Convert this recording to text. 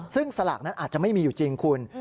ซึ่งสลากนั้นอาจจะไม่มีอยู่จริงคุณ